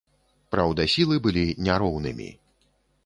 Праўда, сілы былі не роўнымі.